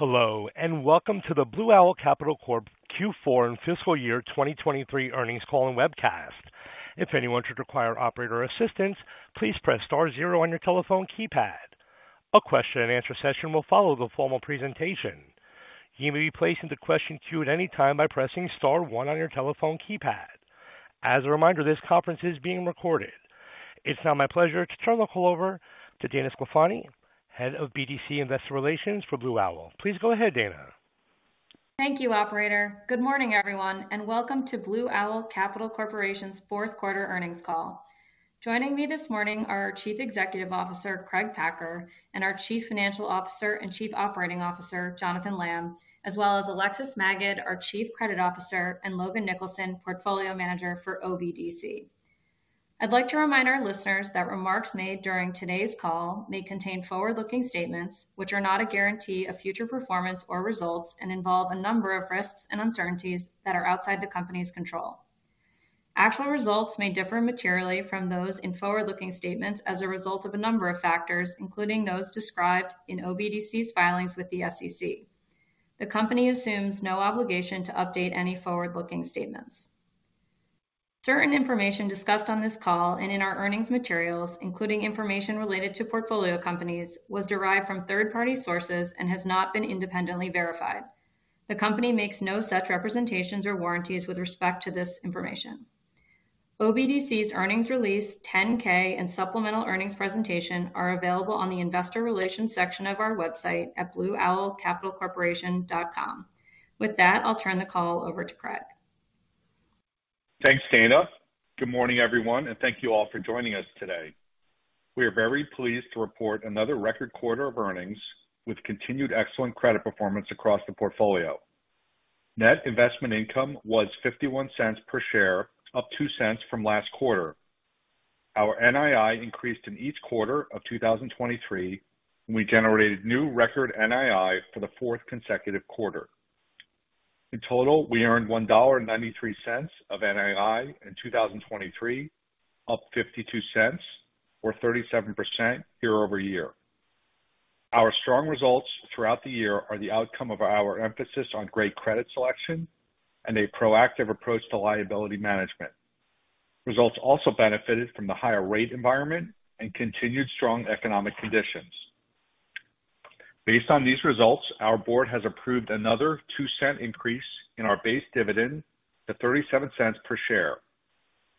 Hello, and welcome to the Blue Owl Capital Corp Q4 and Fiscal Year 2023 earnings call and webcast. If anyone should require operator assistance, please press star zero on your telephone keypad. A question and answer session will follow the formal presentation. You may be placed into question queue at any time by pressing star one on your telephone keypad. As a reminder, this conference is being recorded. It's now my pleasure to turn the call over to Dana Sclafani, Head of BDC Investor Relations for Blue Owl. Please go ahead, Dana. Thank you, operator. Good morning, everyone, and welcome to Blue Owl Capital Corporation's fourth quarter earnings call. Joining me this morning are our Chief Executive Officer, Craig Packer, and our Chief Financial Officer and Chief Operating Officer, Jonathan Lamm, as well as Alexis Maged, our Chief Credit Officer, and Logan Nicholson, Portfolio Manager for OBDC. I'd like to remind our listeners that remarks made during today's call may contain forward-looking statements, which are not a guarantee of future performance or results, and involve a number of risks and uncertainties that are outside the company's control. Actual results may differ materially from those in forward-looking statements as a result of a number of factors, including those described in OBDC's filings with the SEC. The Company assumes no obligation to update any forward-looking statements. Certain information discussed on this call and in our earnings materials, including information related to portfolio companies, was derived from third-party sources and has not been independently verified. The Company makes no such representations or warranties with respect to this information. OBDC's earnings release, 10-K and supplemental earnings presentation are available on the investor relations section of our website at blueowlcapitalcorporation.com. With that, I'll turn the call over to Craig. Thanks, Dana. Good morning, everyone, and thank you all for joining us today. We are very pleased to report another record quarter of earnings with continued excellent credit performance across the portfolio. Net investment income was 51 cents per share, up 2 cents from last quarter. Our NII increased in each quarter of 2023. We generated new record NII for the fourth consecutive quarter. In total, we earned $1.93 of NII in 2023, up 52 cents or 37% year-over-year. Our strong results throughout the year are the outcome of our emphasis on great credit selection and a proactive approach to liability management. Results also benefited from the higher rate environment and continued strong economic conditions. Based on these results, our board has approved another 2-cent increase in our base dividend to 37 cents per share.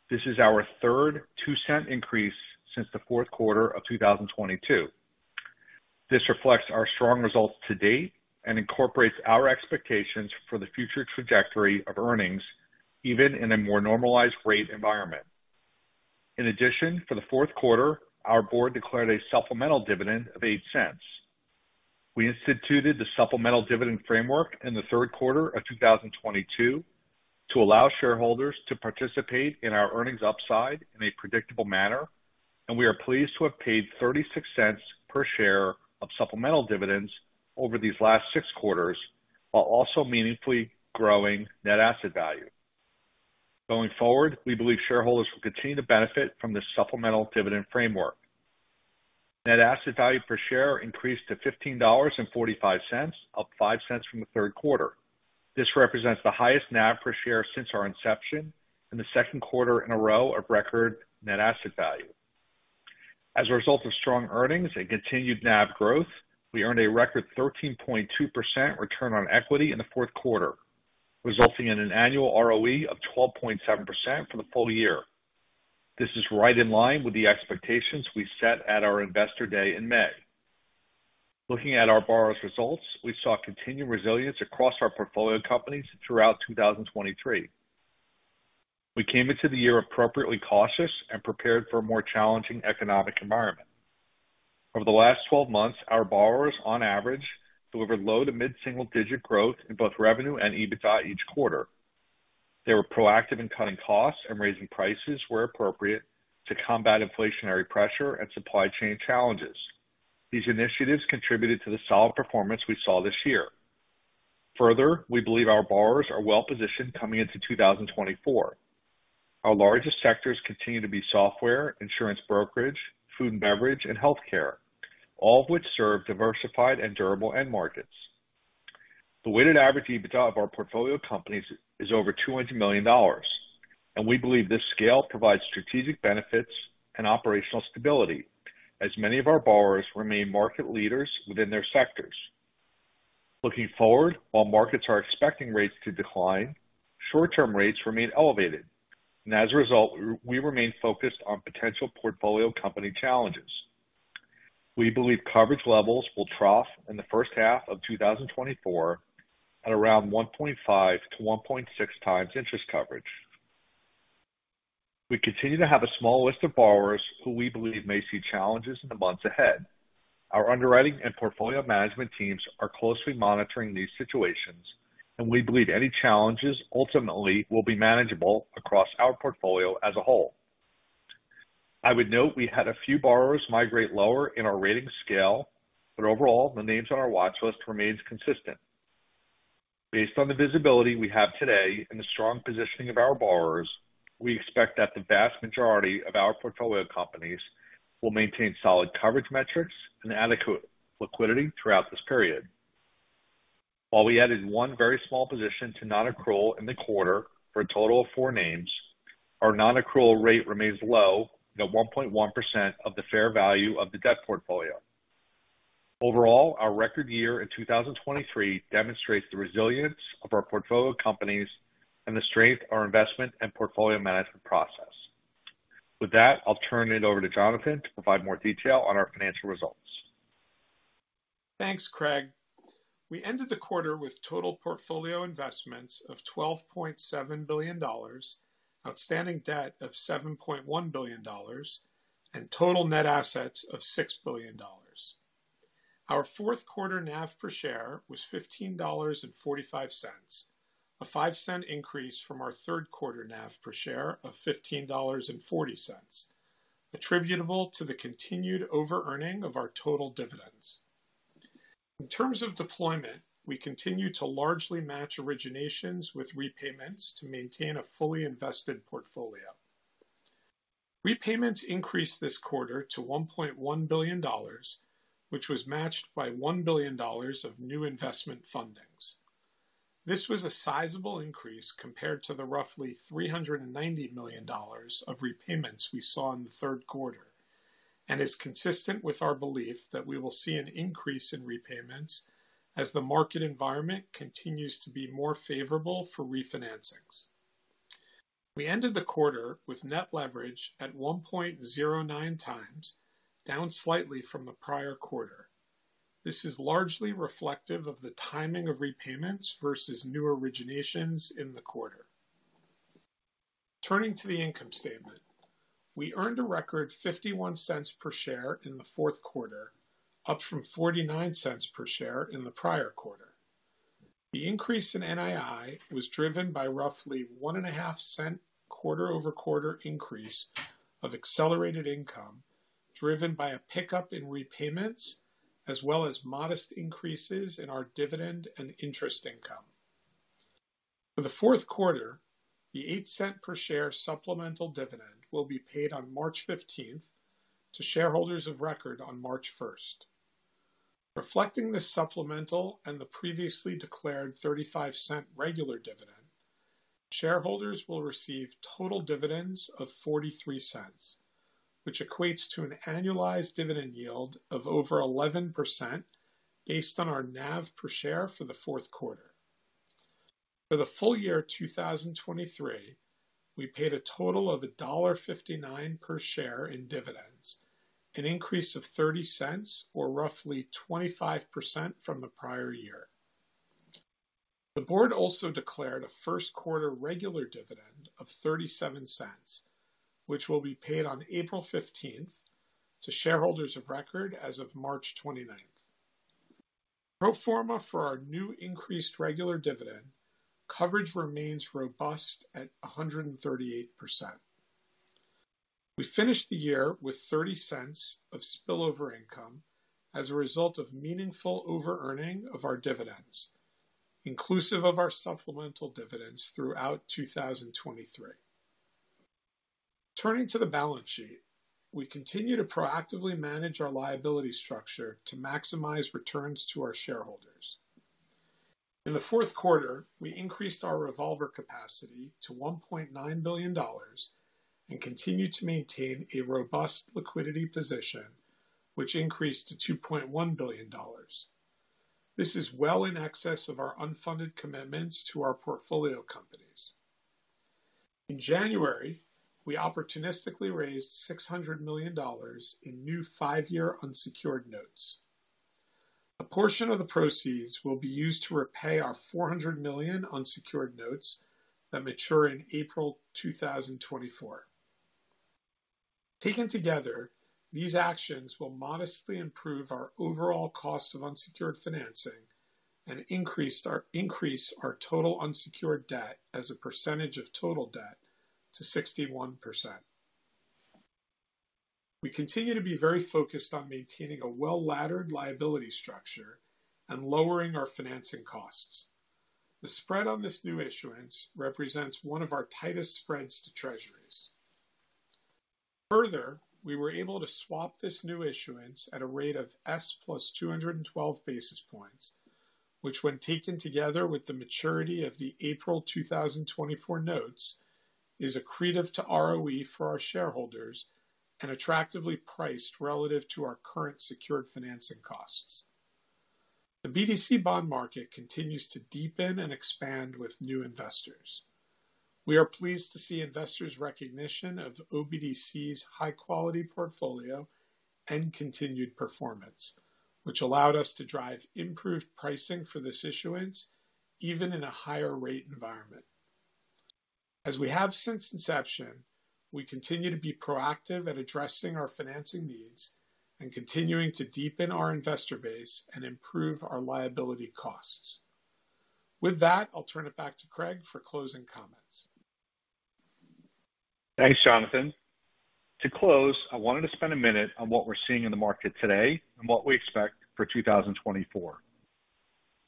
This is our third 2-cent increase since the fourth quarter of 2022. This reflects our strong results to date and incorporates our expectations for the future trajectory of earnings, even in a more normalized rate environment. In addition, for the fourth quarter, our board declared a supplemental dividend of 8 cents. We instituted the supplemental dividend framework in the third quarter of 2022 to allow shareholders to participate in our earnings upside in a predictable manner, and we are pleased to have paid 36 cents per share of supplemental dividends over these last six quarters, while also meaningfully growing net asset value. Going forward, we believe shareholders will continue to benefit from this supplemental dividend framework. Net asset value per share increased to $15.45, up 5 cents from the third quarter. This represents the highest NAV per share since our inception and the second quarter in a row of record net asset value. As a result of strong earnings and continued NAV growth, we earned a record 13.2% return on equity in the fourth quarter, resulting in an annual ROE of 12.7% for the full year. This is right in line with the expectations we set at our Investor Day in May. Looking at our borrowers' results, we saw continued resilience across our portfolio companies throughout 2023. We came into the year appropriately cautious and prepared for a more challenging economic environment. Over the last 12 months, our borrowers, on average, delivered low to mid-single digit growth in both revenue and EBITDA each quarter. They were proactive in cutting costs and raising prices where appropriate to combat inflationary pressure and supply chain challenges. These initiatives contributed to the solid performance we saw this year. Further, we believe our borrowers are well positioned coming into 2024. Our largest sectors continue to be software, insurance brokerage, food and beverage, and healthcare, all of which serve diversified and durable end markets. The weighted average EBITDA of our portfolio companies is over $200 million, and we believe this scale provides strategic benefits and operational stability as many of our borrowers remain market leaders within their sectors. Looking forward, while markets are expecting rates to decline, short-term rates remain elevated, and as a result, we remain focused on potential portfolio company challenges. We believe coverage levels will trough in the first half of 2024 at around 1.5-1.6 times interest coverage. We continue to have a small list of borrowers who we believe may see challenges in the months ahead. Our underwriting and portfolio management teams are closely monitoring these situations, and we believe any challenges ultimately will be manageable across our portfolio as a whole. I would note we had a few borrowers migrate lower in our rating scale, but overall, the names on our watch list remains consistent.... Based on the visibility we have today and the strong positioning of our borrowers, we expect that the vast majority of our portfolio companies will maintain solid coverage metrics and adequate liquidity throughout this period. While we added one very small position to non-accrual in the quarter for a total of four names, our non-accrual rate remains low at 1.1% of the fair value of the debt portfolio. Overall, our record year in 2023 demonstrates the resilience of our portfolio companies and the strength of our investment and portfolio management process. With that, I'll turn it over to Jonathan to provide more detail on our financial results. Thanks, Craig. We ended the quarter with total portfolio investments of $12.7 billion, outstanding debt of $7.1 billion, and total net assets of $6 billion. Our fourth quarter NAV per share was $15.45, a 5-cent increase from our third quarter NAV per share of $15.40, attributable to the continued over-earning of our total dividends. In terms of deployment, we continue to largely match originations with repayments to maintain a fully invested portfolio. Repayments increased this quarter to $1.1 billion, which was matched by $1 billion of new investment fundings. This was a sizable increase compared to the roughly $390 million of repayments we saw in the third quarter, and is consistent with our belief that we will see an increase in repayments as the market environment continues to be more favorable for refinancings. We ended the quarter with net leverage at 1.09 times, down slightly from the prior quarter. This is largely reflective of the timing of repayments versus new originations in the quarter. Turning to the income statement, we earned a record $0.51 per share in the fourth quarter, up from $0.49 per share in the prior quarter. The increase in NII was driven by roughly 1.5-cent quarter-over-quarter increase of accelerated income, driven by a pickup in repayments as well as modest increases in our dividend and interest income. For the fourth quarter, the $0.08 per share supplemental dividend will be paid on March fifteenth to shareholders of record on March first. Reflecting this supplemental and the previously declared $0.35 regular dividend, shareholders will receive total dividends of $0.43, which equates to an annualized dividend yield of over 11% based on our NAV per share for the fourth quarter. For the full year 2023, we paid a total of $1.59 per share in dividends, an increase of $0.30, or roughly 25% from the prior year. The board also declared a first quarter regular dividend of $0.37, which will be paid on April fifteenth to shareholders of record as of March twenty-ninth. Pro forma for our new increased regular dividend, coverage remains robust at 138%. We finished the year with $0.30 of spillover income as a result of meaningful over-earning of our dividends, inclusive of our supplemental dividends throughout 2023. Turning to the balance sheet, we continue to proactively manage our liability structure to maximize returns to our shareholders. In the fourth quarter, we increased our revolver capacity to $1.9 billion and continued to maintain a robust liquidity position, which increased to $2.1 billion. This is well in excess of our unfunded commitments to our portfolio companies. In January, we opportunistically raised $600 million in new 5-year unsecured notes. A portion of the proceeds will be used to repay our $400 million unsecured notes that mature in April 2024. Taken together, these actions will modestly improve our overall cost of unsecured financing and increase our total unsecured debt as a percentage of total debt to 61%. We continue to be very focused on maintaining a well-laddered liability structure and lowering our financing costs. The spread on this new issuance represents one of our tightest spreads to Treasuries. Further, we were able to swap this new issuance at a rate of S plus 212 basis points, which, when taken together with the maturity of the April 2024 notes, is accretive to ROE for our shareholders and attractively priced relative to our current secured financing costs. The BDC bond market continues to deepen and expand with new investors. We are pleased to see investors' recognition of OBDC's high-quality portfolio and continued performance, which allowed us to drive improved pricing for this issuance, even in a higher rate environment. As we have since inception, we continue to be proactive at addressing our financing needs and continuing to deepen our investor base and improve our liability costs. With that, I'll turn it back to Craig for closing comments.... Thanks, Jonathan. To close, I wanted to spend a minute on what we're seeing in the market today and what we expect for 2024.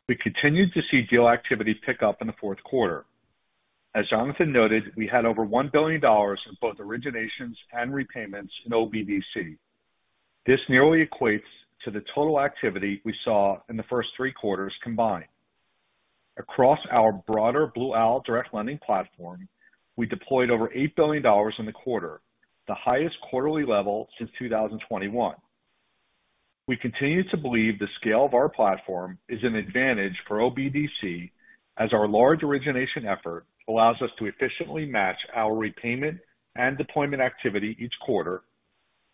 We continued to see deal activity pick up in the fourth quarter. As Jonathan noted, we had over $1 billion in both originations and repayments in OBDC. This nearly equates to the total activity we saw in the first three quarters combined. Across our broader Blue Owl direct lending platform, we deployed over $8 billion in the quarter, the highest quarterly level since 2021. We continue to believe the scale of our platform is an advantage for OBDC, as our large origination effort allows us to efficiently match our repayment and deployment activity each quarter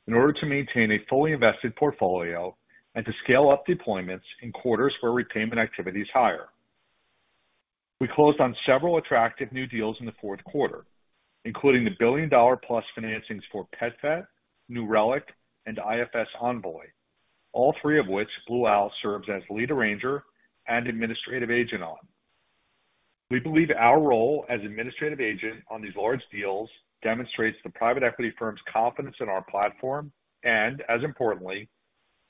in order to maintain a fully invested portfolio and to scale up deployments in quarters where repayment activity is higher. We closed on several attractive new deals in the fourth quarter, including the billion-dollar-plus financings for PetVet, New Relic, and IFS, Envoy all three of which Blue Owl serves as lead arranger and administrative agent on. We believe our role as administrative agent on these large deals demonstrates the private equity firm's confidence in our platform, and as importantly,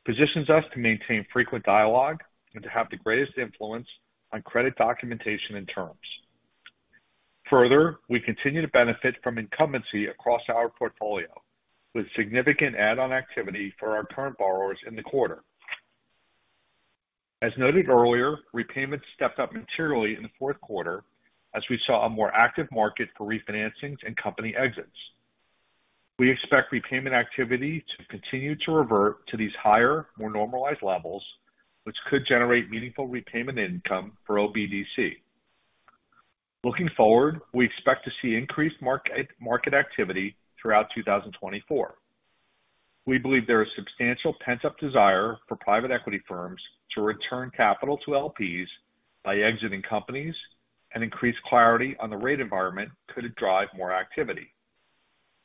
positions us to maintain frequent dialogue and to have the greatest influence on credit documentation and terms. Further, we continue to benefit from incumbency across our portfolio, with significant add-on activity for our current borrowers in the quarter. As noted earlier, repayments stepped up materially in the fourth quarter as we saw a more active market for refinancings and company exits. We expect repayment activity to continue to revert to these higher, more normalized levels, which could generate meaningful repayment income for OBDC. Looking forward, we expect to see increased market activity throughout 2024. We believe there is substantial pent-up desire for private equity firms to return capital to LPs by exiting companies, and increased clarity on the rate environment could drive more activity.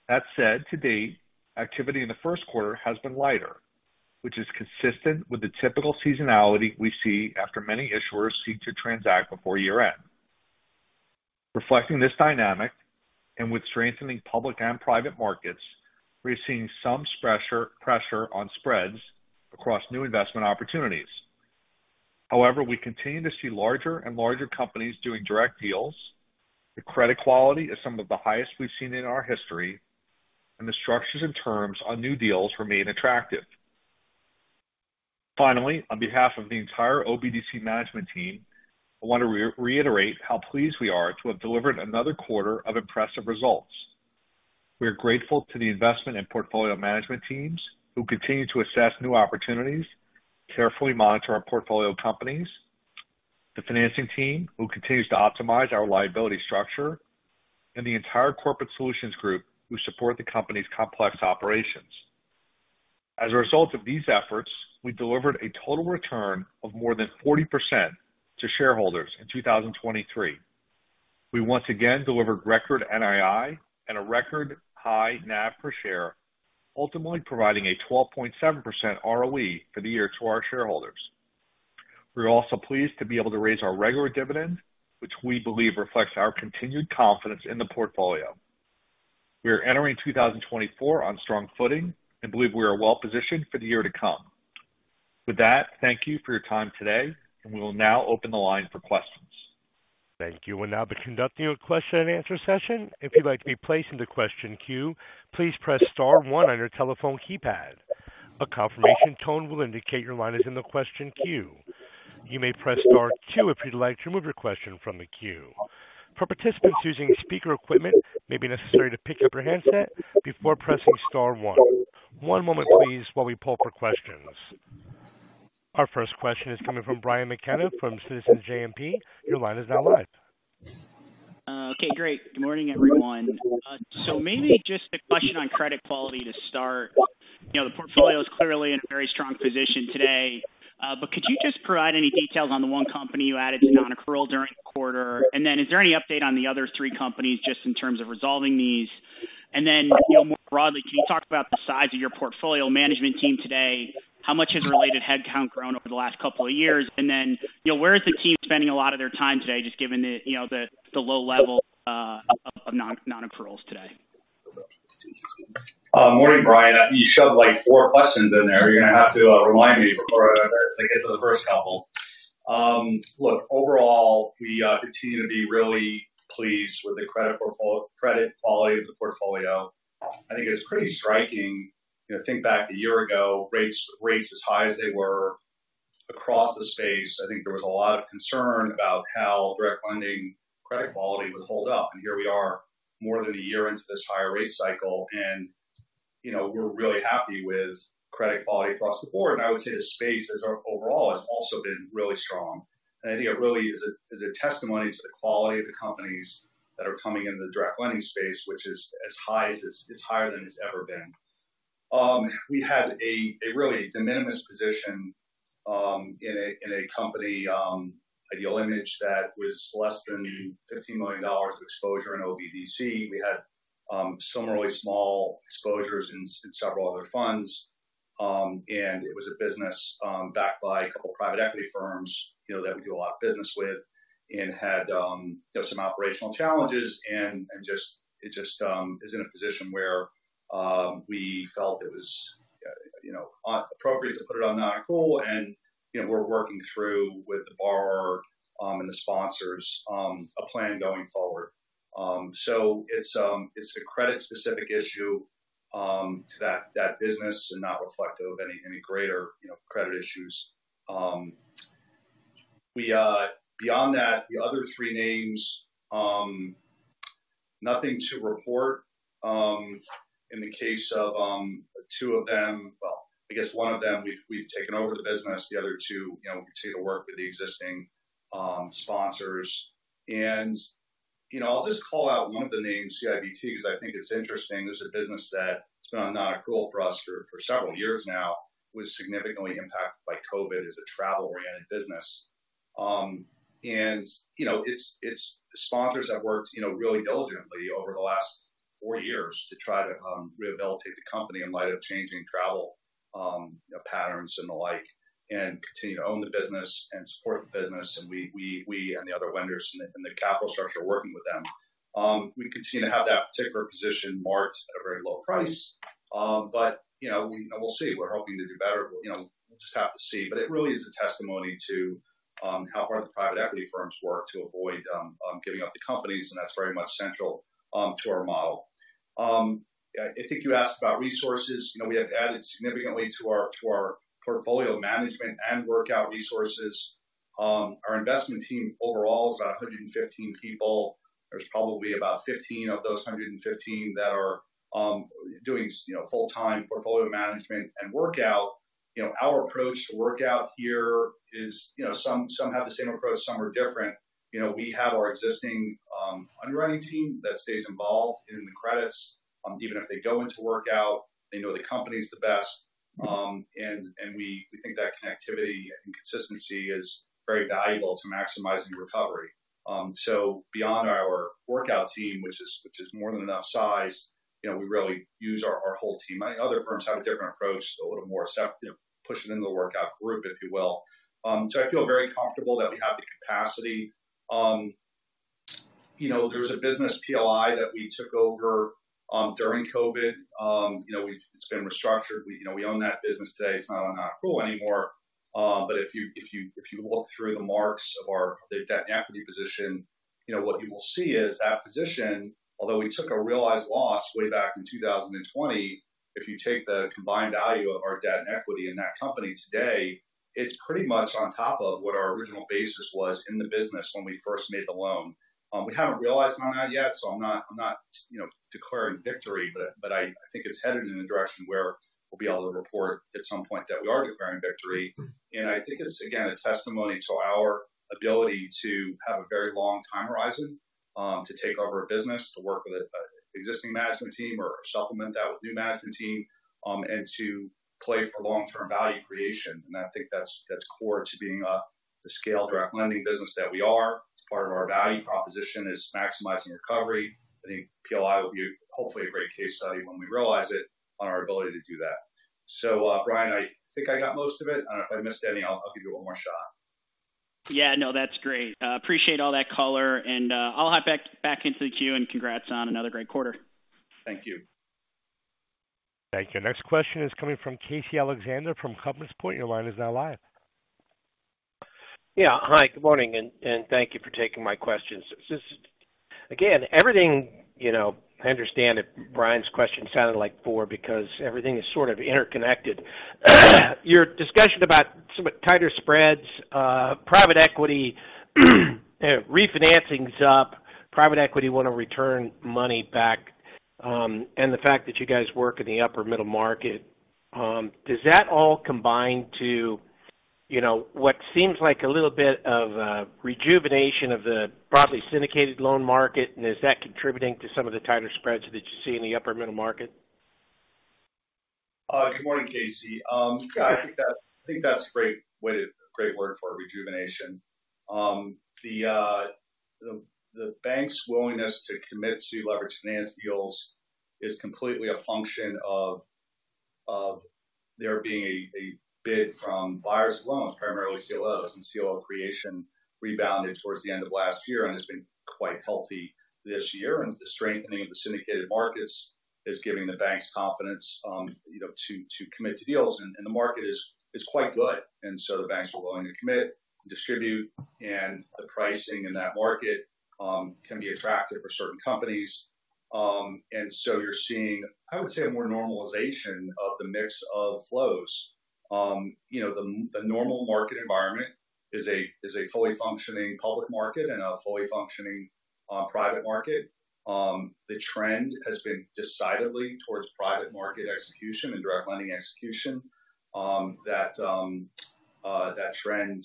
That said, to date, activity in the first quarter has been lighter, which is consistent with the typical seasonality we see after many issuers seek to transact before year-end. Reflecting this dynamic, and with strengthening public and private markets, we're seeing some pressure on spreads across new investment opportunities. However, we continue to see larger and larger companies doing direct deals. The credit quality is some of the highest we've seen in our history, and the structures and terms on new deals remain attractive. Finally, on behalf of the entire OBDC management team, I want to re-reiterate how pleased we are to have delivered another quarter of impressive results. We are grateful to the investment and portfolio management teams, who continue to assess new opportunities, carefully monitor our portfolio companies, the financing team, who continues to optimize our liability structure, and the entire corporate solutions group, who support the company's complex operations. As a result of these efforts, we delivered a total return of more than 40% to shareholders in 2023. We once again delivered record NII and a record high NAV per share, ultimately providing a 12.7% ROE for the year to our shareholders. We're also pleased to be able to raise our regular dividend, which we believe reflects our continued confidence in the portfolio. We are entering 2024 on strong footing and believe we are well positioned for the year to come. With that, thank you for your time today, and we will now open the line for questions. Thank you. We'll now be conducting a question and answer session. If you'd like to be placed in the question queue, please press star one on your telephone keypad. A confirmation tone will indicate your line is in the question queue. You may press star two if you'd like to remove your question from the queue. For participants using speaker equipment, it may be necessary to pick up your handset before pressing star one. One moment, please, while we pull for questions. Our first question is coming from Brian McKenna, from Citizens JMP. Your line is now live. Okay, great. Good morning, everyone. So maybe just a question on credit quality to start. You know, the portfolio is clearly in a very strong position today, but could you just provide any details on the one company you added to non-accrual during the quarter? And then is there any update on the other three companies just in terms of resolving these? And then, you know, more broadly, can you talk about the size of your portfolio management team today? How much has related headcount grown over the last couple of years? And then, you know, where is the team spending a lot of their time today, just given the, you know, the low level of non-accruals today? Morning, Brian. You shoved, like, four questions in there. You're going to have to remind me before I get to the first couple. Look, overall, we continue to be really pleased with the credit portfolio—credit quality of the portfolio. I think it's pretty striking. You know, think back a year ago, rates, rates as high as they were across the space. I think there was a lot of concern about how direct lending credit quality would hold up, and here we are, more than a year into this higher rate cycle, and, you know, we're really happy with credit quality across the board. And I would say the space as overall has also been really strong. I think it really is a testimony to the quality of the companies that are coming into the direct lending space, which is as high as it's higher than it's ever been. We had a really de minimis position in a company, Ideal Image, that was less than $15 million of exposure in OBDC. We had some really small exposures in several other funds.... and it was a business backed by a couple private equity firms, you know, that we do a lot of business with, and had you know some operational challenges and just it is in a position where we felt it was you know appropriate to put it on non-accrual. And you know we're working through with the borrower and the sponsors a plan going forward. So it's a credit-specific issue to that business and not reflective of any greater you know credit issues. Beyond that, the other three names, nothing to report. In the case of two of them, well, I guess one of them, we've taken over the business, the other two, you know, we continue to work with the existing sponsors. You know, I'll just call out one of the names, CIBT, because I think it's interesting. This is a business that's been on non-accrual for us for several years now, was significantly impacted by COVID as a travel-oriented business. And, you know, it's sponsors have worked, you know, really diligently over the last four years to try to rehabilitate the company in light of changing travel patterns and the like, and continue to own the business and support the business. And we and the other lenders and the capital structure are working with them. We continue to have that particular position marked at a very low price. But, you know, we'll see. We're hoping to do better, but, you know, we'll just have to see. But it really is a testimony to how hard the private equity firms work to avoid giving up the companies, and that's very much central to our model. I think you asked about resources. You know, we have added significantly to our portfolio management and workout resources. Our investment team overall is about 115 people. There's probably about 15 of those 115 that are doing, you know, full-time portfolio management and workout. You know, our approach to workout here is, you know, some have the same approach, some are different. You know, we have our existing underwriting team that stays involved in the credits. Even if they go into workout, they know the company is the best. And we think that connectivity and consistency is very valuable to maximizing recovery. So beyond our workout team, which is, which is more than enough size, you know, we really use our, our whole team. Other firms have a different approach, a little more accept, you know, push it into the workout group, if you will. So I feel very comfortable that we have the capacity. You know, there was a business, PLI, that we took over during COVID. You know, we've, it's been restructured. We, you know, we own that business today. It's not on non-accrual anymore. But if you walk through the marks of our, the debt and equity position, you know, what you will see is that position, although we took a realized loss way back in 2020, if you take the combined value of our debt and equity in that company today, it's pretty much on top of what our original basis was in the business when we first made the loan. We haven't realized on that yet, so I'm not, you know, declaring victory, but I think it's headed in the direction where we'll be able to report at some point that we are declaring victory. And I think it's, again, a testimony to our ability to have a very long time horizon, to take over a business, to work with an existing management team or supplement that with new management team, and to play for long-term value creation. And I think that's, that's core to being the scaled direct lending business that we are. Part of our value proposition is maximizing recovery. I think PLI will be hopefully a great case study when we realize it on our ability to do that. So, Brian, I think I got most of it. And if I missed any, I'll, I'll give you one more shot. Yeah. No, that's great. Appreciate all that color, and I'll hop back, back into the queue, and congrats on another great quarter. Thank you. Thank you. Next question is coming from Casey Alexander from Compass Point. Your line is now live. Yeah. Hi, good morning, and thank you for taking my questions. Just again, everything, you know, I understand that Brian's question sounded like 4 because everything is sort of interconnected. Your discussion about somewhat tighter spreads, private equity, refinancings up, private equity want to return money back, and the fact that you guys work in the upper middle market, does that all combine to, you know, what seems like a little bit of a rejuvenation of the broadly syndicated loan market? And is that contributing to some of the tighter spreads that you see in the upper middle market? Good morning, Casey. I think that's a great way to great word for it, rejuvenation. The bank's willingness to commit to leverage finance deals is completely a function of there being a bid from buyers of loans, primarily CLOs, and CLO creation rebounded towards the end of last year and has been quite healthy this year. And the strengthening of the syndicated markets is giving the banks confidence, you know, to commit to deals, and the market is quite good. And so the banks are willing to commit, distribute, and the pricing in that market can be attractive for certain companies. And so you're seeing, I would say, more normalization of the mix of flows. You know, the normal market environment is a fully functioning public market and a fully functioning private market. The trend has been decidedly towards private market execution and direct lending execution. That trend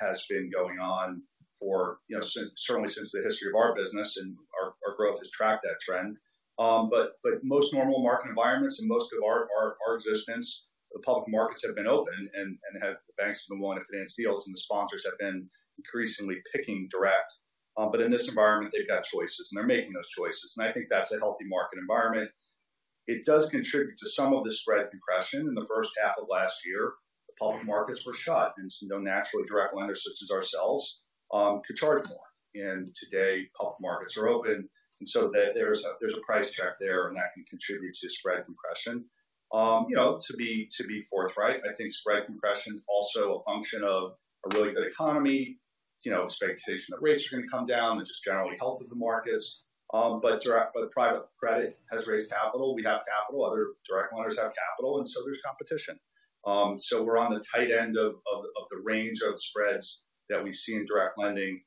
has been going on for, you know, since, certainly since the history of our business, and our growth has tracked that trend. But most normal market environments in most of our existence, the public markets have been open and the banks have been willing to finance deals, and the sponsors have been increasingly picking direct. But in this environment, they've got choices, and they're making those choices. And I think that's a healthy market environment... It does contribute to some of the spread compression. In the first half of last year, the public markets were shut, and so naturally, direct lenders such as ourselves could charge more. And today, public markets are open, and so there's a price check there, and that can contribute to spread compression. You know, to be forthright, I think spread compression is also a function of a really good economy, you know, expectation that rates are going to come down, and just generally health of the markets. But private credit has raised capital. We have capital, other direct lenders have capital, and so there's competition. So we're on the tight end of the range of spreads that we see in direct lending.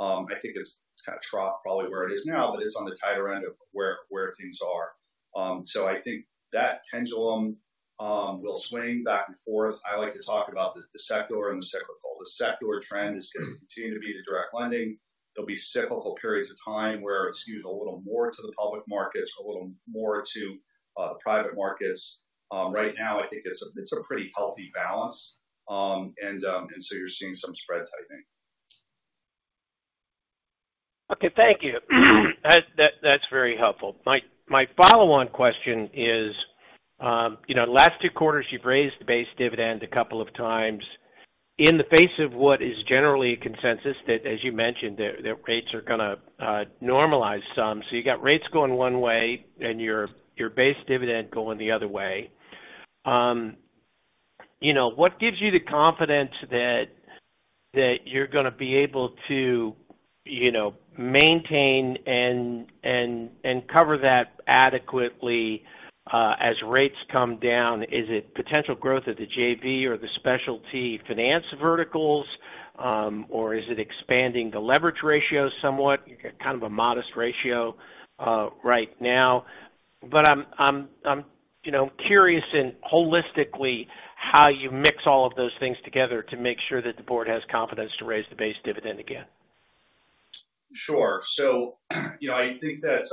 I think it's kind of trough probably where it is now, but it's on the tighter end of where things are. So I think that pendulum will swing back and forth. I like to talk about the, the secular and the cyclical. The secular trend is going to continue to be the direct lending. There'll be cyclical periods of time where it skews a little more to the public markets, a little more to, the private markets. Right now, I think it's a, it's a pretty healthy balance. And, and so you're seeing some spread tightening. Okay, thank you. That's very helpful. My follow-on question is, you know, last two quarters, you've raised the base dividend a couple of times. In the face of what is generally a consensus that, as you mentioned, the rates are going to normalize some. So you got rates going one way and your base dividend going the other way. You know, what gives you the confidence that you're going to be able to, you know, maintain and cover that adequately as rates come down? Is it potential growth of the JV or the specialty finance verticals, or is it expanding the leverage ratio somewhat? You've got kind of a modest ratio right now. But I'm, you know, curious in holistically how you mix all of those things together to make sure that the board has confidence to raise the Base Dividend again. Sure. So, you know, I think that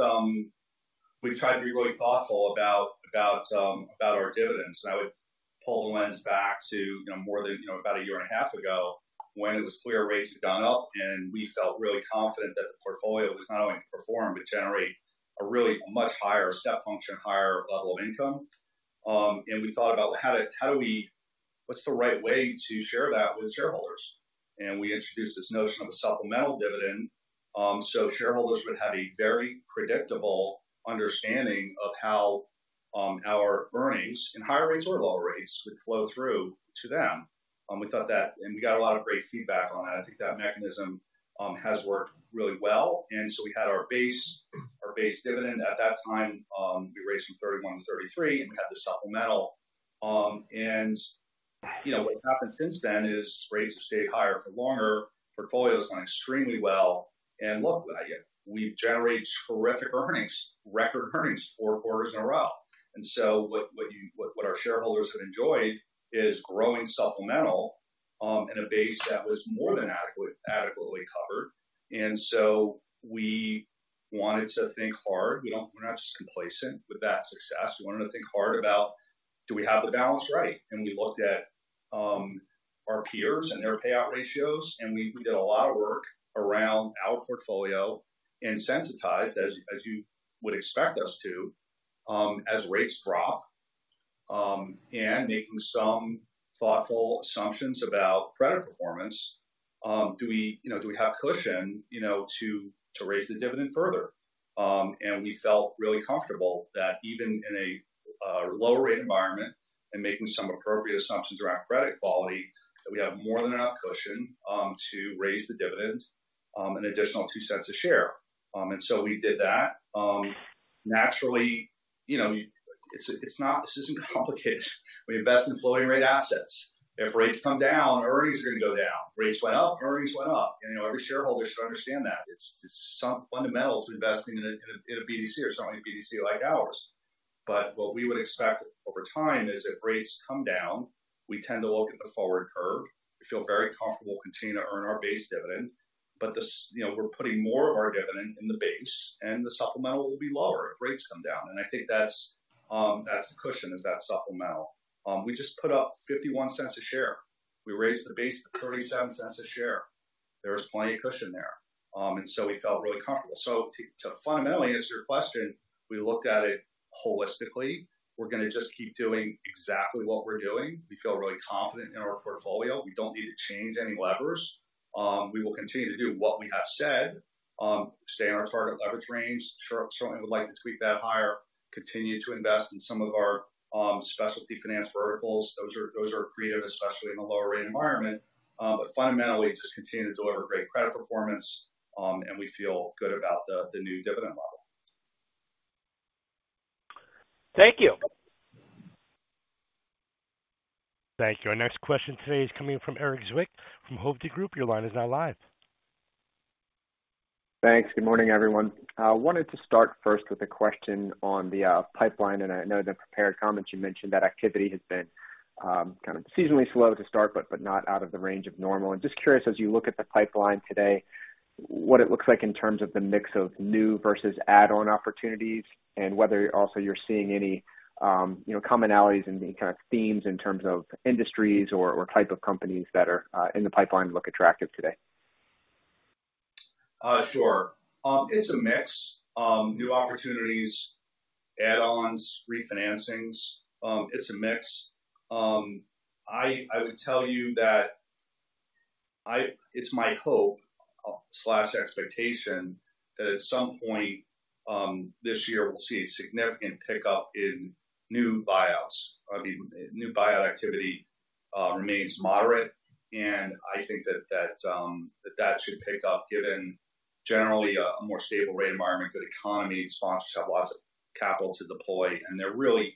we've tried to be really thoughtful about our dividends. And I would pull the lens back to, you know, more than, you know, about a year and a half ago, when it was clear rates had gone up, and we felt really confident that the portfolio was not only going to perform, but generate a really much higher step function, higher level of income. And we thought about how do we, what's the right way to share that with shareholders? And we introduced this notion of a supplemental dividend, so shareholders would have a very predictable understanding of how our earnings in higher rates or lower rates would flow through to them. We thought that, and we got a lot of great feedback on that. I think that mechanism has worked really well. And so we had our base, our base dividend. At that time, we raised from $0.31-$0.33, and we had the supplemental. And, you know, what happened since then is rates have stayed higher for longer, portfolio is doing extremely well, and look, we've generated terrific earnings, record earnings four quarters in a row. And so what our shareholders have enjoyed is growing supplemental, and a base that was more than adequately covered. And so we wanted to think hard. We're not just complacent with that success. We wanted to think hard about, do we have the balance right? We looked at our peers and their payout ratios, and we did a lot of work around our portfolio and sensitized, as you would expect us to, as rates drop, and making some thoughtful assumptions about credit performance. Do we, you know, do we have cushion, you know, to raise the dividend further? We felt really comfortable that even in a lower rate environment and making some appropriate assumptions around credit quality, that we have more than enough cushion to raise the dividend an additional $0.02 a share. So we did that. Naturally, you know, it's not this isn't complicated. We invest in floating rate assets. If rates come down, earnings are going to go down. Rates went up, earnings went up. You know, every shareholder should understand that. It's some fundamentals investing in a BDC or certainly a BDC like ours. But what we would expect over time is if rates come down, we tend to look at the forward curve. We feel very comfortable continuing to earn our base dividend, but this... You know, we're putting more of our dividend in the base, and the supplemental will be lower if rates come down. And I think that's the cushion, is that supplemental. We just put up $0.51 a share. We raised the base to $0.37 a share. There was plenty of cushion there, and so we felt really comfortable. So to fundamentally answer your question, we looked at it holistically. We're going to just keep doing exactly what we're doing. We feel really confident in our portfolio. We don't need to change any levers. We will continue to do what we have said, stay in our target leverage range. Certainly would like to tweak that higher, continue to invest in some of our specialty finance verticals. Those are, those are accretive, especially in a lower rate environment. But fundamentally, just continue to deliver great credit performance, and we feel good about the new dividend model. Thank you. Thank you. Our next question today is coming from Erik Zwick from Hovde Group. Your line is now live. Thanks. Good morning, everyone. Wanted to start first with a question on the pipeline, and I know in the prepared comments you mentioned that activity has been kind of seasonally slow to start, but not out of the range of normal. I'm just curious, as you look at the pipeline today, what it looks like in terms of the mix of new versus add-on opportunities, and whether also you're seeing any, you know, commonalities and any kind of themes in terms of industries or type of companies that are in the pipeline look attractive today? ... Sure. It's a mix, new opportunities, add-ons, refinancings, it's a mix. I would tell you that it's my hope/expectation that at some point this year we'll see a significant pickup in new buyouts. I mean, new buyout activity remains moderate, and I think that that should pick up, given generally a more stable rate environment, good economy, sponsors have lots of capital to deploy, and they really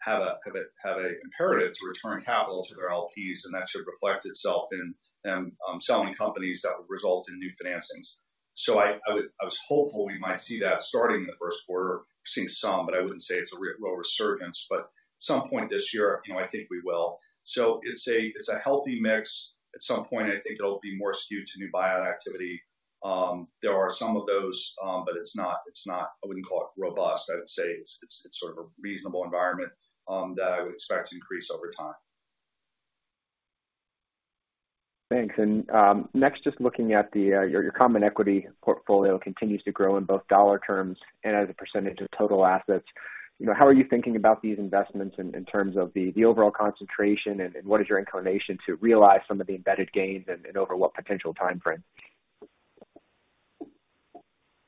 have a imperative to return capital to their LPs, and that should reflect itself in them selling companies that would result in new financings. So I would-- I was hopeful we might see that starting in the first quarter. We've seen some, but I wouldn't say it's a re-- well, resurgence, but at some point this year, you know, I think we will. So it's a healthy mix. At some point, I think it'll be more skewed to new buyout activity. There are some of those, but it's not. I wouldn't call it robust. I would say it's sort of a reasonable environment that I would expect to increase over time. Thanks. Next, just looking at your common equity portfolio continues to grow in both dollar terms and as a percentage of total assets. You know, how are you thinking about these investments in terms of the overall concentration, and what is your inclination to realize some of the embedded gains and over what potential time frame?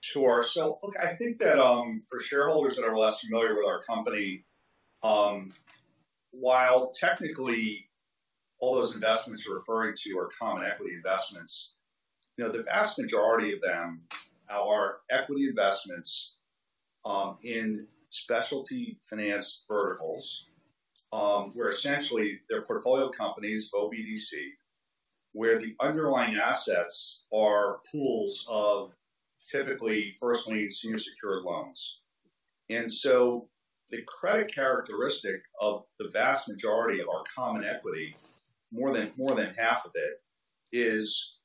Sure. So, look, I think that, for shareholders that are less familiar with our company, while technically all those investments you're referring to are common equity investments, you know, the vast majority of them are equity investments, in specialty finance verticals, where essentially they're portfolio companies, OBDC, where the underlying assets are pools of typically first lien senior secured loans. And so the credit characteristic of the vast majority of our common equity, more than, more than half of it, is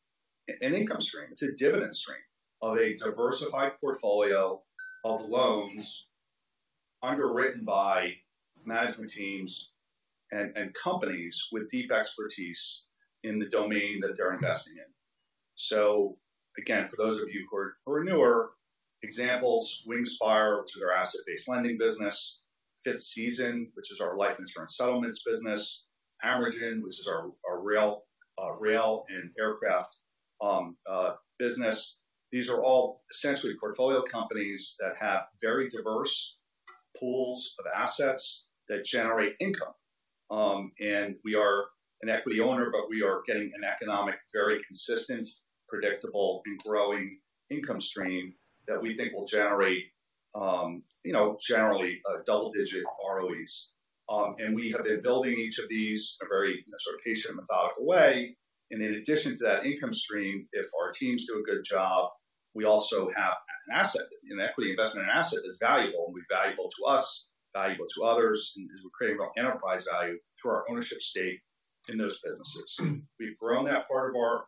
an income stream. It's a dividend stream of a diversified portfolio of loans underwritten by management teams and companies with deep expertise in the domain that they're investing in. So again, for those of you who are newer, examples, Wingspire to their asset-based lending business, Fifth Season, which is our life insurance settlements business, AerGen, which is our rail and aircraft business. These are all essentially portfolio companies that have very diverse pools of assets that generate income. And we are an equity owner, but we are getting an economic, very consistent, predictable, and growing income stream that we think will generate, you know, generally, double-digit ROEs. And we have been building each of these in a very sort of patient and methodical way. And in addition to that income stream, if our teams do a good job, we also have an asset. An equity investment and asset is valuable, and be valuable to us, valuable to others, because we're creating enterprise value through our ownership stake in those businesses. We've grown that part of our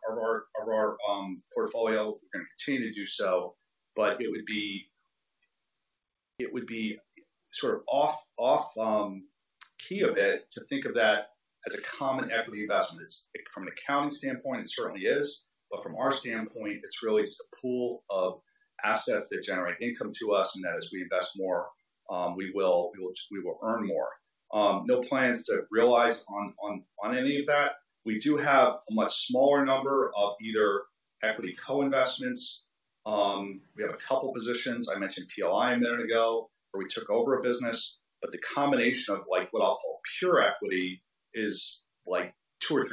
portfolio, we're going to continue to do so, but it would be sort of off key a bit to think of that as a common equity investment. It's, from an accounting standpoint, it certainly is, but from our standpoint, it's really just a pool of assets that generate income to us, and that as we invest more, we will earn more. No plans to realize on any of that. We do have a much smaller number of either equity co-investments. We have a couple positions. I mentioned PLI a minute ago, where we took over a business, but the combination of like, what I'll call pure equity is like 2%-3%.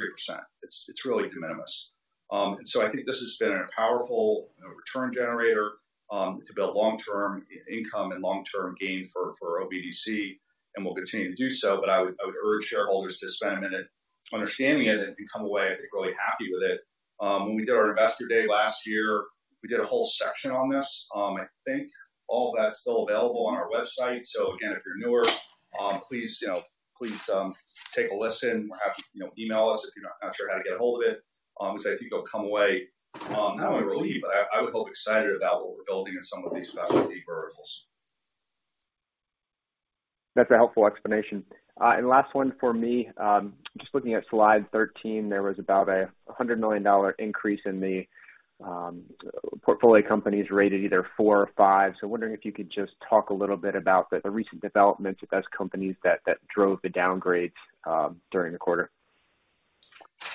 It's really de minimis. And so I think this has been a powerful, you know, return generator, to build long-term income and long-term gain for OBDC, and we'll continue to do so, but I would urge shareholders to spend a minute understanding it and come away, I think, really happy with it. When we did our Investor Day last year, we did a whole section on this. I think all of that's still available on our website. So again, if you're newer, please, you know, please, take a listen or have, you know, email us if you're not, not sure how to get a hold of it, because I think you'll come away, not only relieved, but I, I would hope, excited about what we're building in some of these specialty verticals. That's a helpful explanation. Last one for me. Just looking at slide 13, there was about a $100 million increase in the portfolio companies rated either 4 or 5. So I'm wondering if you could just talk a little bit about the recent developments at those companies that drove the downgrades during the quarter.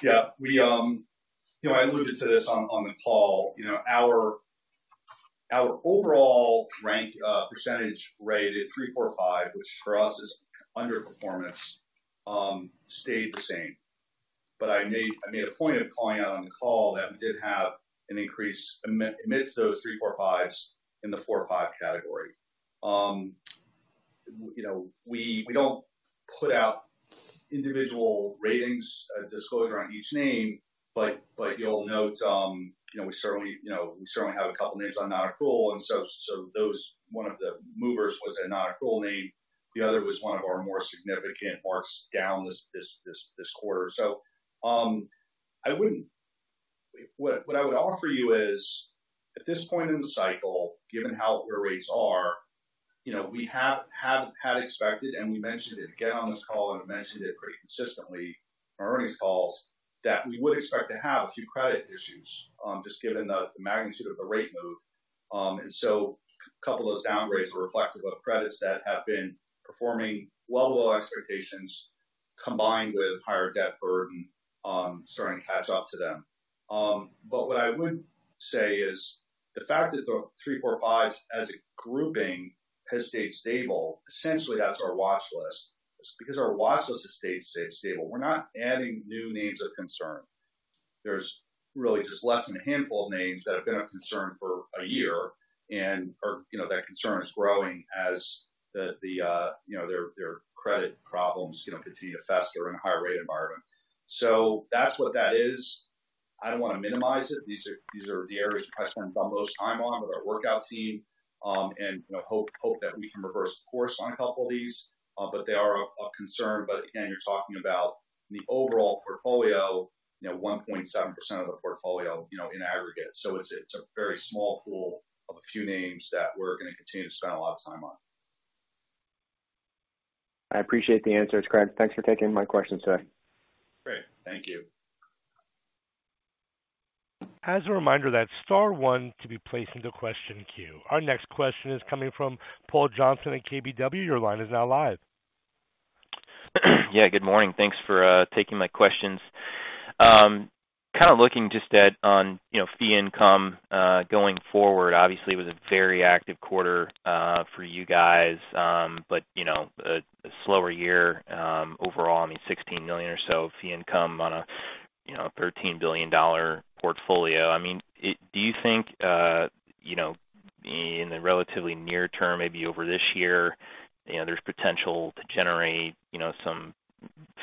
Yeah. We, you know, I alluded to this on, on the call. You know, our, our overall rank, percentage rated 3, 4, 5, which for us is underperformance, stayed the same. But I made a point of calling out on the call that we did have an increase amidst those 3, 4, 5s in the 4 or 5 category. You know, we, we don't put out individual ratings, disclosure on each name, but, but you'll note, you know, we certainly, you know, we certainly have a couple of names on non-accrual. And so those - one of the movers was a non-accrual name. The other was one of our more significant markdown this quarter. So, what I would offer you is, at this point in the cycle, given how our rates are. You know, we have expected, and we mentioned it again on this call, and we mentioned it pretty consistently on earnings calls, that we would expect to have a few credit issues, just given the magnitude of the rate move. And so a couple of those downgrades are reflective of credits that have been performing well below expectations, combined with higher debt burden, starting to catch up to them. But what I would say is the fact that the three, four, fives as a grouping has stayed stable, essentially. That's our watch list. Because our watch list has stayed stable. We're not adding new names of concern. There's really just less than a handful of names that have been a concern for a year, and or, you know, that concern is growing as the, you know, their credit problems, you know, continue to fester in a higher rate environment. So that's what that is. I don't want to minimize it. These are the areas I spend the most time on with our workout team, and, you know, hope that we can reverse the course on a couple of these, but they are of concern. But again, you're talking about the overall portfolio, you know, 1.7% of the portfolio, you know, in aggregate. So it's a very small pool of a few names that we're going to continue to spend a lot of time on. I appreciate the answers, Craig. Thanks for taking my question today. Great. Thank you. As a reminder, that's star one to be placed into question queue. Our next question is coming from Paul Johnson at KBW. Your line is now live. Yeah, good morning. Thanks for taking my questions. Kind of looking just at on, you know, fee income going forward, obviously, it was a very active quarter for you guys, but, you know, a slower year overall, I mean, $16 million or so fee income on a, you know, $13 billion portfolio. I mean, do you think, you know, in the relatively near term, maybe over this year, you know, there's potential to generate, you know, some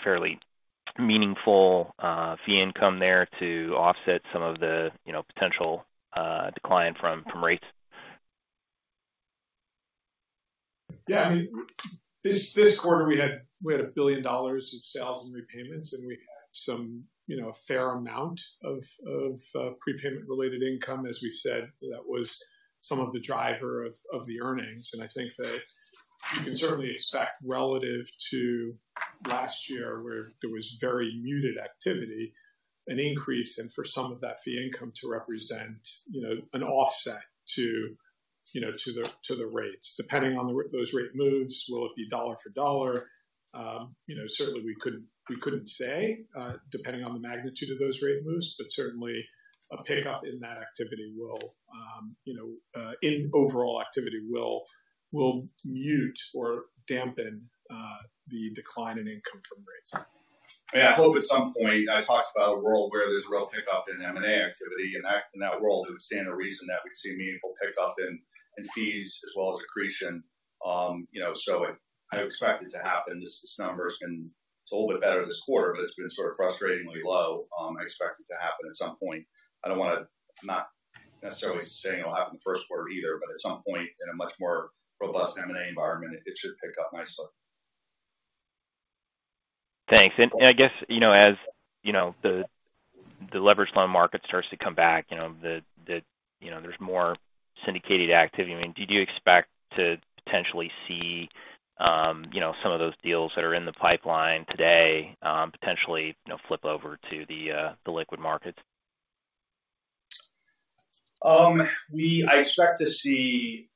fairly meaningful fee income there to offset some of the, you know, potential decline from rates? Yeah, I mean, this quarter, we had a billion dollars of sales and repayments, and we had some, you know, a fair amount of prepayment-related income. As we said, that was some of the driver of the earnings. And I think that you can certainly expect relative to last year, where there was very muted activity, an increase, and for some of that fee income to represent, you know, an offset to, you know, to the rates. Depending on those rate moves, will it be dollar for dollar? You know, certainly we couldn't say, depending on the magnitude of those rate moves, but certainly a pickup in that activity will, you know, in overall activity, will mute or dampen the decline in income from rates. Yeah, I hope at some point I talked about a world where there's a real pickup in M&A activity, in that world, there would stand a reason that we'd see a meaningful pickup in fees as well as accretion. You know, so I expect it to happen. This number has been it's a little bit better this quarter, but it's been sort of frustratingly low. I expect it to happen at some point. I don't want to not necessarily saying it'll happen in the first quarter either, but at some point in a much more robust M&A environment, it should pick up nicely. Thanks. I guess, you know, as you know, the leveraged loan market starts to come back, you know, there's more syndicated activity. I mean, do you expect to potentially see, you know, some of those deals that are in the pipeline today, potentially, you know, flip over to the liquid markets? I expect to see.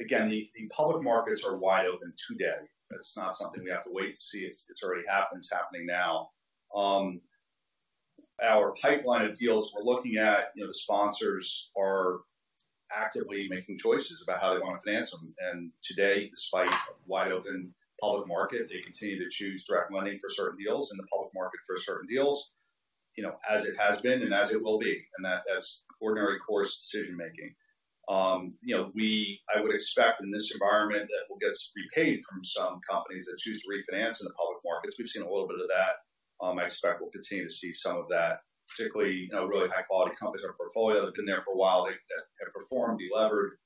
Again, the public markets are wide open today. It's not something we have to wait to see. It's already happened. It's happening now. Our pipeline of deals we're looking at, you know, the sponsors are actively making choices about how they want to finance them. And today, despite a wide open public market, they continue to choose direct lending for certain deals in the public market, for certain deals, you know, as it has been and as it will be, and that's ordinary course decision making. You know, I would expect in this environment that we'll get repaid from some companies that choose to refinance in the public markets. We've seen a little bit of that. I expect we'll continue to see some of that, particularly, you know, really high-quality companies in our portfolio that have been there for a while that have performed, delevered,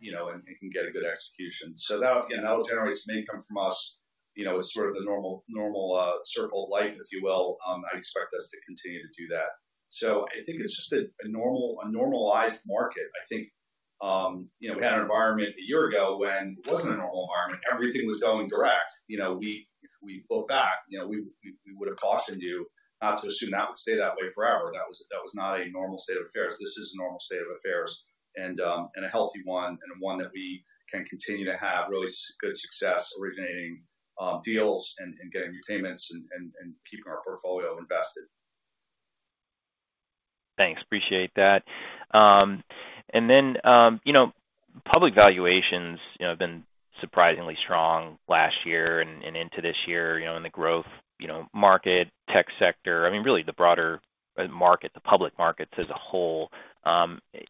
you know, and can get a good execution. So that, again, that will generate some income from us, you know, as sort of the normal circle of life, if you will. I expect us to continue to do that. So I think it's just a normalized market. I think, you know, we had an environment a year ago when it wasn't a normal environment. Everything was going direct. You know, we, if we pull back, you know, we would have cautioned you not to assume that would stay that way forever. That was not a normal state of affairs. This is a normal state of affairs and a healthy one, and one that we can continue to have really good success originating deals and getting repayments and keeping our portfolio invested. Thanks. Appreciate that. And then, you know, public valuations, you know, have been surprisingly strong last year and into this year, you know, in the growth, you know, market, tech sector, I mean, really the broader market, the public markets as a whole.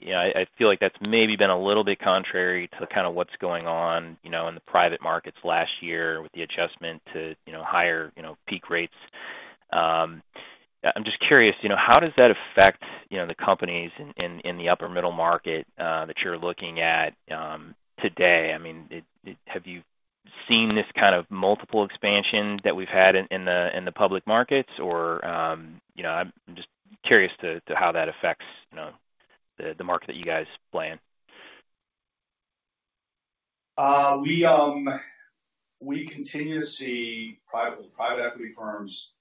You know, I feel like that's maybe been a little bit contrary to kind of what's going on, you know, in the private markets last year with the adjustment to, you know, higher, you know, peak rates. I'm just curious, you know, how does that affect, you know, the companies in the upper middle market that you're looking at today? I mean, have you seen this kind of multiple expansion that we've had in the public markets? Or, you know, I'm just curious to how that affects, you know, the market that you guys play in. We continue to see private equity firms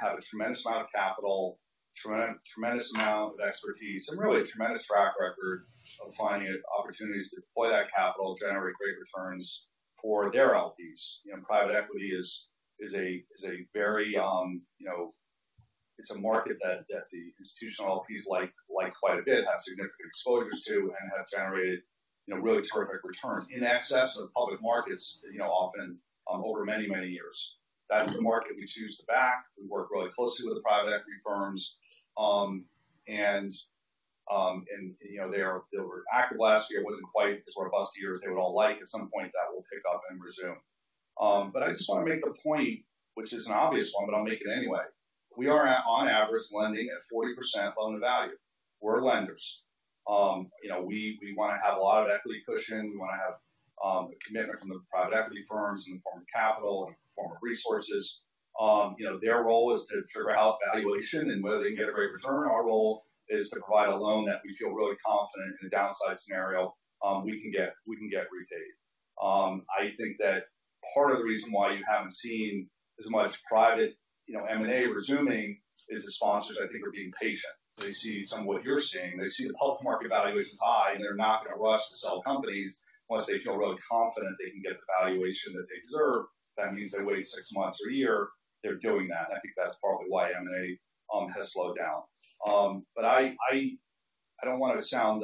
have a tremendous amount of capital, tremendous amount of expertise, and really a tremendous track record of finding opportunities to deploy that capital, generate great returns for their LPs. You know, private equity is a very, you know, it's a market that the institutional LPs like quite a bit, have significant exposures to and have generated, you know, really terrific returns in excess of public markets, you know, often, over many, many years. That's the market we choose to back. We work really closely with the private equity firms. And, you know, they were active last year. It wasn't quite the sort of bust year as they would all like. At some point, that will pick up and resume. But I just want to make the point, which is an obvious one, but I'll make it anyway. We are on average, lending at 40% loan-to-value. We're lenders. You know, we wanna have a lot of equity cushion. We wanna have a commitment from the private equity firms in the form of capital, in the form of resources. You know, their role is to figure out valuation and whether they can get a great return. Our role is to provide a loan that we feel really confident in a downside scenario, we can get repaid. I think that part of the reason why you haven't seen as much private, you know, M&A resuming is the sponsors, I think, are being patient. They see some of what you're seeing. They see the public market valuations high, and they're not going to rush to sell companies unless they feel really confident they can get the valuation that they deserve. That means they wait 6 months or a year, they're doing that, and I think that's probably why M&A has slowed down. But I don't want to sound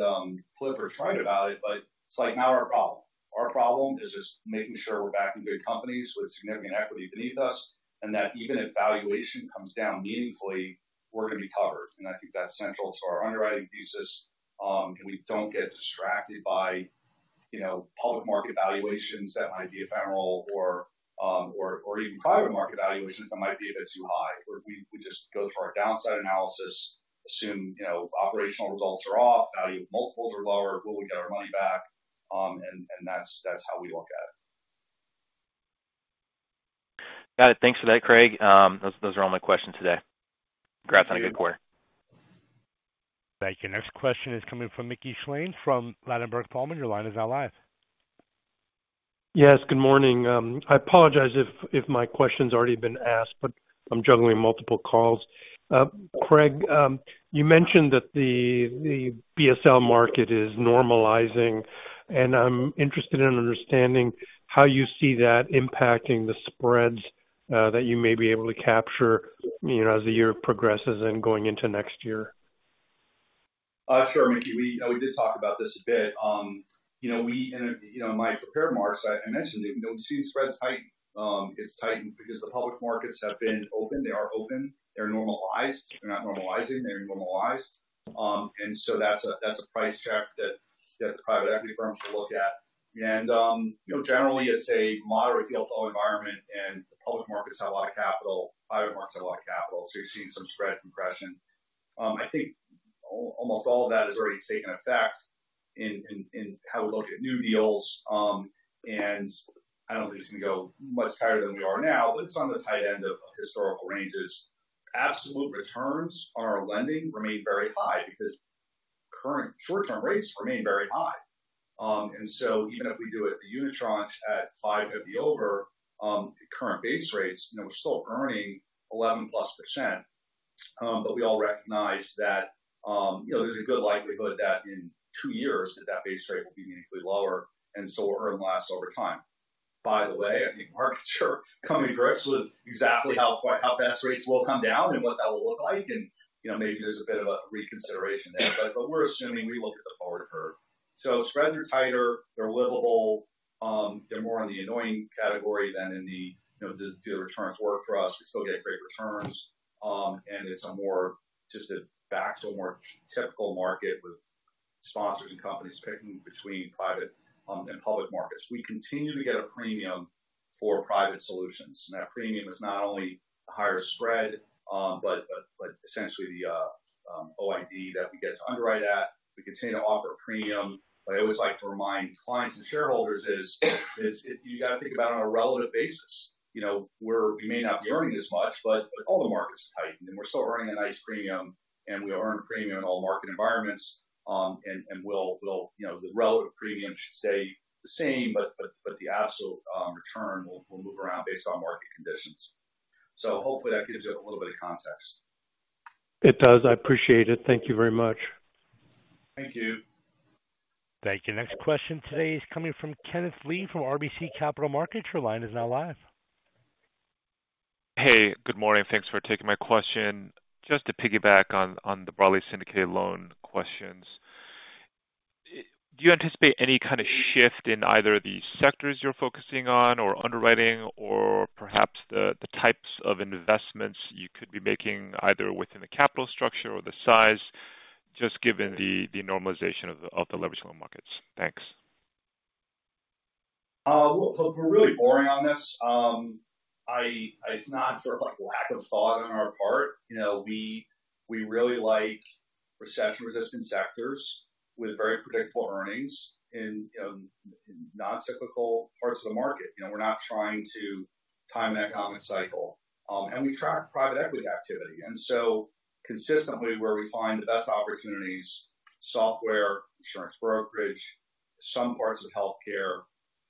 flip or trite about it, but it's like not our problem. Our problem is just making sure we're backing good companies with significant equity beneath us, and that even if valuation comes down meaningfully, we're going to be covered. I think that's central to our underwriting thesis, and we don't get distracted by, you know, public market valuations that might be ephemeral or or even private market valuations that might be a bit too high. Where we just go through our downside analysis, assume, you know, operational results are off, value multiples are lower, will we get our money back? And that's how we look at it. Got it. Thanks for that, Craig. Those, those are all my questions today. Congrats on a good quarter. Thank you. Next question is coming from Mickey Schleien from Ladenburg Thalmann. Your line is now live. Yes, good morning. I apologize if my question's already been asked, but I'm juggling multiple calls. Craig, you mentioned that the BSL market is normalizing, and I'm interested in understanding how you see that impacting the spreads that you may be able to capture, you know, as the year progresses and going into next year. Sure, Mickey. We did talk about this a bit. You know, in my prepared remarks, I mentioned it, you know, we've seen spreads tighten. It's tightened because the public markets have been open. They are open, they're normalized. They're not normalizing, they're normalized. And so that's a price check that private equity firms will look at. And you know, generally, it's a moderate deal flow environment, and the public markets have a lot of capital, private markets have a lot of capital, so you're seeing some spread compression. I think almost all of that has already taken effect in how we look at new deals. And I don't think it's going to go much higher than we are now, but it's on the tight end of historical ranges. Absolute returns on our lending remain very high because current short-term rates remain very high. And so even if we do it, the Unitranche at 550 over current base rates, you know, we're still earning 11%+. But we all recognize that, you know, there's a good likelihood that in 2 years, that base rate will be meaningfully lower, and so will earn less over time. By the way, I think markets are coming to grips with exactly how fast rates will come down and what that will look like. And, you know, maybe there's a bit of a reconsideration there, but we're assuming we look at the forward curve. So spreads are tighter, they're livable, they're more on the annoying category than in the, you know, the returns work for us? We still get great returns. And it's a more just a back to a more typical market with sponsors and companies picking between private and public markets. We continue to get a premium for private solutions, and that premium is not only a higher spread, but essentially the OID that we get to underwrite at, we continue to offer a premium. But I always like to remind clients and shareholders is you got to think about it on a relative basis. You know, we're, we may not be earning as much, but all the markets are tightened, and we're still earning a nice premium, and we earn a premium in all market environments. And we'll... You know, the relative premium should stay the same, but the absolute return will move around based on market conditions. Hopefully that gives you a little bit of context. It does. I appreciate it. Thank you very much. Thank you. Thank you. Next question today is coming from Kenneth Lee from RBC Capital Markets. Your line is now live. Hey, good morning. Thanks for taking my question. Just to piggyback on the broadly syndicated loan questions. Do you anticipate any kind of shift in either the sectors you're focusing on or underwriting or perhaps the types of investments you could be making, either within the capital structure or the size, just given the normalization of the leveraged loan markets? Thanks. Well, so we're really boring on this. It's not for, like, lack of thought on our part. You know, we really like recession-resistant sectors with very predictable earnings in non-cyclical parts of the market. You know, we're not trying to time the economic cycle. And we track private equity activity. And so consistently, where we find the best opportunities, software, insurance brokerage, some parts of healthcare,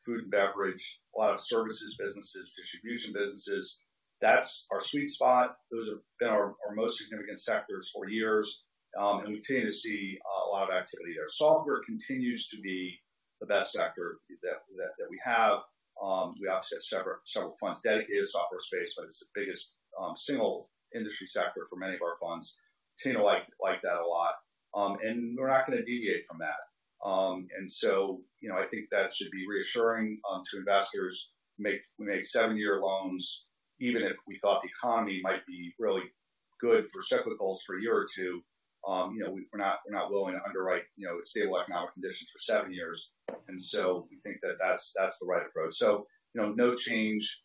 food and beverage, a lot of services businesses, distribution businesses, that's our sweet spot. Those have been our most significant sectors for years, and we continue to see a lot of activity there. Software continues to be the best sector that we have. We obviously have several funds dedicated to software space, but it's the biggest single industry sector for many of our funds. Continue to like that a lot, and we're not going to deviate from that. And so, you know, I think that should be reassuring to investors. We make seven-year loans, even if we thought the economy might be really good for cyclicals for a year or two, you know, we're not willing to underwrite, you know, stable economic conditions for seven years, and so we think that that's the right approach. So, you know, no change.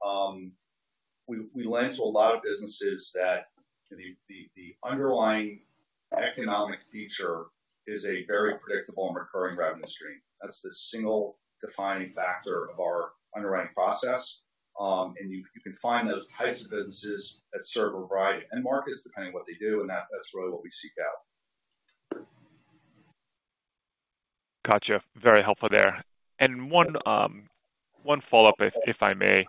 We lend to a lot of businesses that the underlying economic feature is a very predictable and recurring revenue stream. That's the single defining factor of our underwriting process, and you can find those types of businesses that serve a variety of markets, depending on what they do, and that's really what we seek out. Got you. Very helpful there. One follow-up, if I may.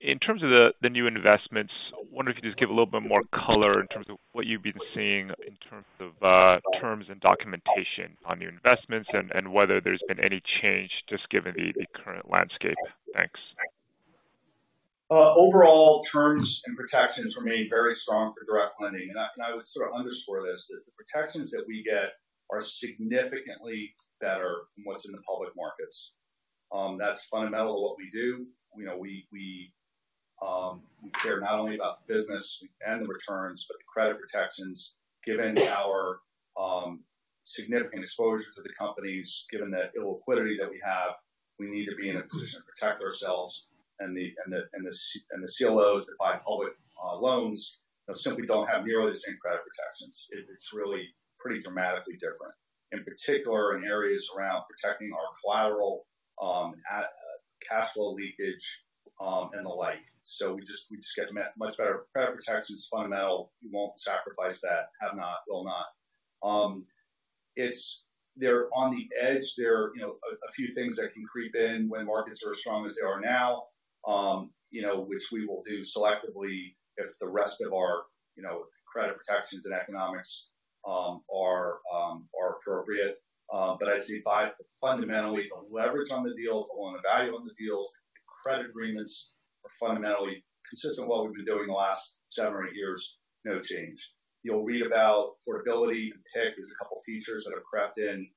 In terms of the new investments, I wonder if you could just give a little bit more color in terms of what you've been seeing in terms of terms and documentation on new investments and whether there's been any change just given the current landscape. Thanks. Overall, terms and protections remain very strong for direct lending, and I would sort of underscore this, that the protections that we get are significantly better than what's in the public markets. That's fundamental to what we do. You know, we care not only about the business and the returns, but the credit protections. Given our significant exposure to the companies, given that illiquidity that we have, we need to be in a position to protect ourselves. And the CLOs that buy public loans simply don't have nearly the same credit protections. It's really pretty dramatically different, in particular, in areas around protecting our collateral, cash flow leakage, and the like. So we just get much better credit protections, fundamental. We won't sacrifice that. Have not, will not. It's—they're on the edge. There are, you know, a few things that can creep in when markets are as strong as they are now, you know, which we will do selectively if the rest of our, you know, credit protections and economics are appropriate. But I'd say, fundamentally, the leverage on the deals, on the value of the deals, the credit agreements are fundamentally consistent with what we've been doing the last seven or eight years. No change. You'll read about portability and PIK. There's a couple of features that have crept in.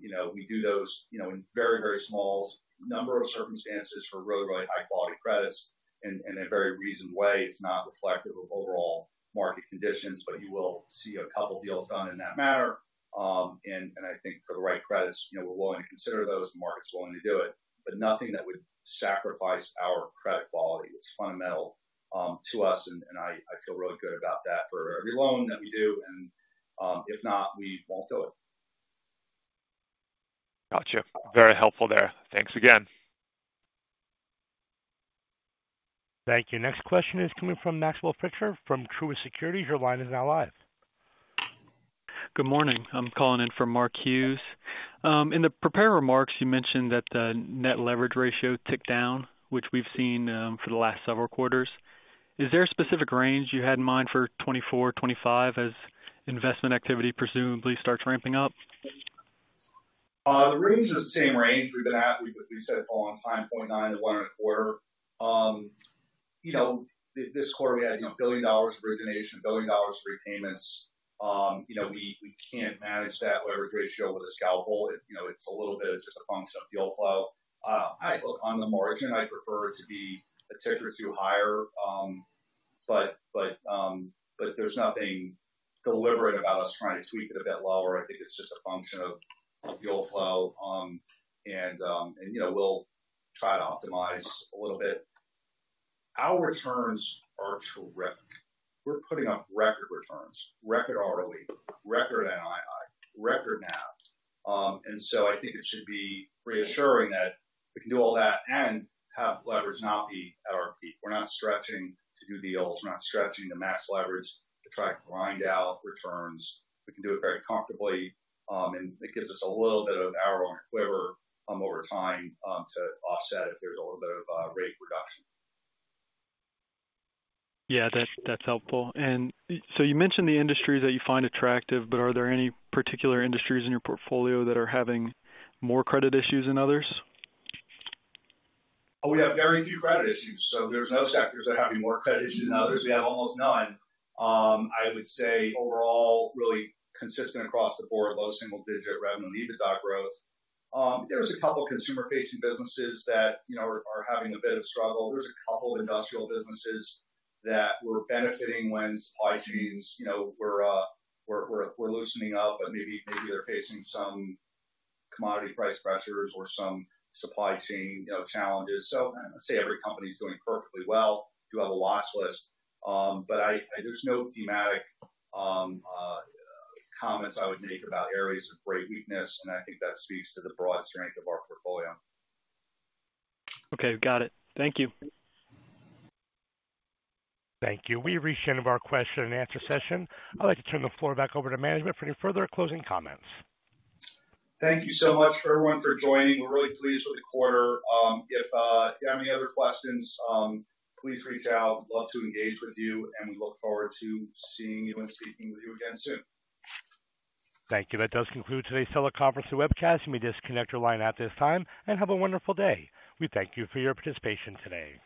You know, we do those, you know, in very, very small number of circumstances for really, really high-quality credits in a very reasoned way. It's not reflective of overall market conditions, but you will see a couple of deals done in that manner. I think for the right credits, you know, we're willing to consider those, the market's willing to do it, but nothing that would sacrifice our credit quality. It's fundamental to us, and I feel really good about that for every loan that we do, and if not, we won't do it. Got you. Very helpful there. Thanks again. Thank you. Next question is coming from Maxwell Fisher from Truist Securities. Your line is now live. Good morning. I'm calling in for Mark Hughes. In the prepared remarks, you mentioned that the net leverage ratio ticked down, which we've seen, for the last several quarters. Is there a specific range you had in mind for 2024, 2025, as investment activity presumably starts ramping up? The range is the same range we've been at, we, as we said a long time, 0.9-1.25. You know, this quarter we had, you know, $1 billion of origination, $1 billion of repayments. You know, we can't manage that leverage ratio with a scalpel. It, you know, it's a little bit. It's just a function of deal flow. I, on the margin, I'd prefer it to be a tick or two higher, but there's nothing deliberate about us trying to tweak it a bit lower. I think it's just a function of deal flow. You know, we'll try to optimize a little bit. Our returns are terrific. We're putting up record returns, record ROE, record NII, record NAV. and so I think it should be reassuring that we can do all that and have leverage not be at our peak. We're not stretching to do deals. We're not stretching to max leverage to try to grind out returns. We can do it very comfortably, and it gives us a little bit of an arrow on the quiver, over time, to offset if there's a little bit of rate reduction. Yeah, that's, that's helpful. And so you mentioned the industries that you find attractive, but are there any particular industries in your portfolio that are having more credit issues than others? We have very few credit issues, so there's no sectors that are having more credit issues than others. We have almost none. I would say overall, really consistent across the board, low single-digit revenue, EBITDA growth. There's a couple of consumer-facing businesses that, you know, are having a bit of struggle. There's a couple of industrial businesses that were benefiting when supply chains, you know, were loosening up, but maybe they're facing some commodity price pressures or some supply chain, you know, challenges. So I'd say every company is doing perfectly well. We do have a watch list, but there's no thematic comments I would make about areas of great weakness, and I think that speaks to the broad strength of our portfolio. Okay, got it. Thank you. Thank you. We've reached the end of our question and answer session. I'd like to turn the floor back over to management for any further closing comments. Thank you so much for everyone for joining. We're really pleased with the quarter. If you have any other questions, please reach out. We'd love to engage with you, and we look forward to seeing you and speaking with you again soon. Thank you. That does conclude today's teleconference and webcast. You may disconnect your line at this time, and have a wonderful day. We thank you for your participation today.